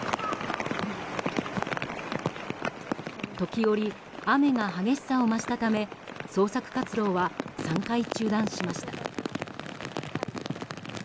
時折、雨が激しさを増したため捜索活動は、３回中断しました。